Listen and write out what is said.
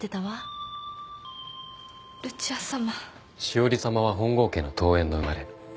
詩織さまは本郷家の遠縁の生まれ。